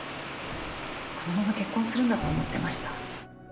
このまま結婚するんだと思ってました。